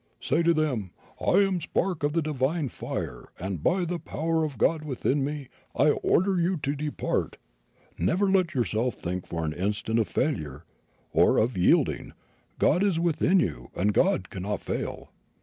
Say to them: 'I am a spark of the divine fire, and by the power of the God within me I order you to depart!' Never let yourself think for an instant of failure or of yielding; God is within you, and God cannot fail."